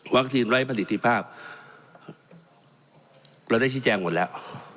วัคซีนไว้ผลิตภาพเราได้ชี้แจงหมดแล้ว